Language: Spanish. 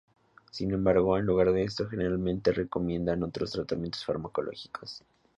Sin embargo, en lugar de esto, generalmente se recomiendan otros tratamientos farmacológicos.